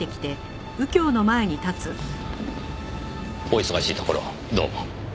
お忙しいところどうも。